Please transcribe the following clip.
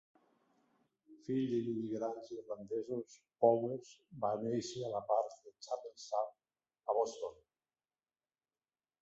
Fill d'immigrants irlandesos, Powers, va néixer a la part de Charlestown, a Boston.